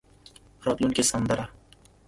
راتلونکې سندره.